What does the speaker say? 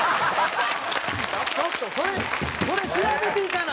ちょっとそれそれ調べて行かないと！